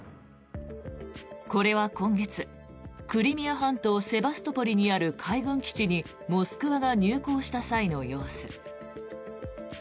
これは今月、クリミア半島セバストポリにある海軍基地に「モスクワ」が入港した際の様子。